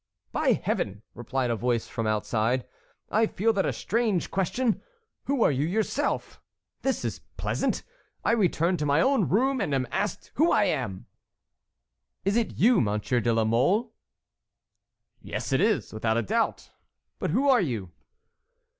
"By Heaven!" replied a voice from outside; "I find that a strange question. Who are you yourself? This is pleasant! I return to my own room, and am asked who I am!" "Is it you, Monsieur de la Mole?" "Yes, it is I, without a doubt. But who are you?"